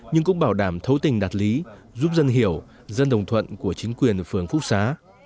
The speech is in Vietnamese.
nhưng cũng bảo đảm thấu tình đạt lý giúp dân hiểu dân đồng thuận của chính quyền phường phúc xá